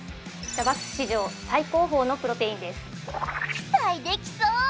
ザバス史上最高峰のプロテインです期待できそう！